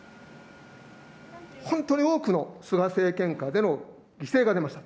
本当に多くの菅政権下での犠牲が出ました。